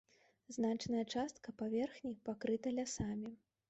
Значная частка паверхні пакрыта лясамі.